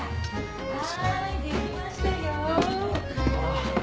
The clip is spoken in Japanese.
ああ。